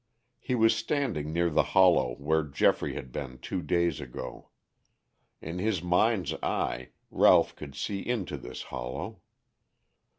He was standing near the hollow where Geoffrey had been two days ago. In his mind's eye Ralph could see into this hollow.